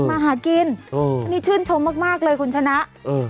มาหากินโอ้นี่ชื่นชมมากมากเลยคุณชนะเออ